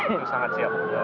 itu sangat siap